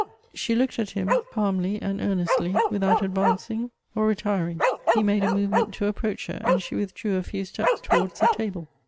She looked at him calmly and earnestly, without advancing or retir ing. He made a movement to approach her, and she withdrew a few steps towards the table.